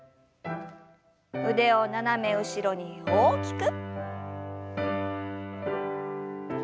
腕を斜め後ろに大きく。